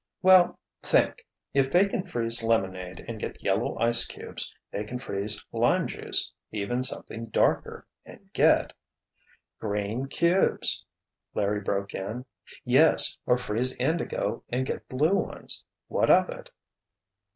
"Well—think! If they can freeze lemonade, and get yellow ice cubes, they can freeze lime juice—even something darker—and get——" "Green cubes!" Larry broke in. "Yes—or freeze indigo and get blue ones. What of it?"